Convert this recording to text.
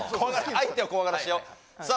相手を怖がらしてよさあ